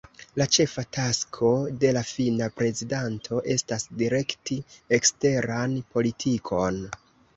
La ĉefa tasko de la finna prezidanto estas direkti eksteran politikon.